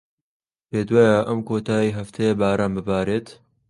پێت وایە ئەم کۆتاییی هەفتەیە باران ببارێت؟